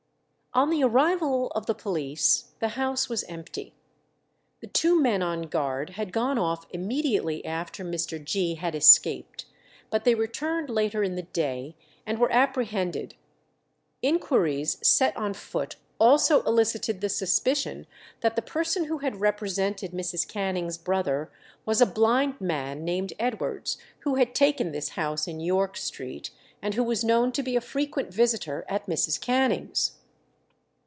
On the arrival of the police the house was empty. The two men on guard had gone off immediately after Mr. Gee had escaped, but they returned later in the day, and were apprehended. Inquiries set on foot also elicited the suspicion that the person who had represented Mrs. Canning's brother was a blind man named Edwards, who had taken this house in York Street, and who was known to be a frequent visitor at Mrs. Canning's.